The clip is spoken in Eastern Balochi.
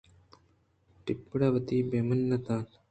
ٹپُّر وتی بے مِنّت اَت